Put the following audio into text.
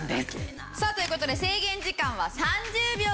さあという事で制限時間は３０秒です。